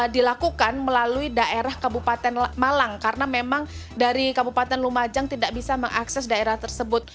dilakukan melalui daerah kabupaten malang karena memang dari kabupaten lumajang tidak bisa mengakses daerah tersebut